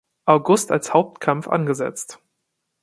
August als Hauptkampf angesetzt.